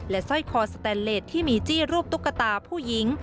สร้อยคอสแตนเลสที่มีจี้รูปตุ๊กตาผู้หญิง